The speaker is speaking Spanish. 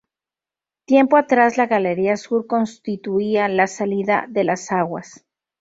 Tiempo atrás la "Galería sur" constituía la salida de las aguas.